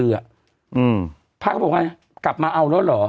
แล้วก็รถคณะ